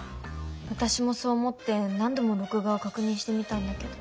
私もそう思って何度も録画を確認してみたんだけど。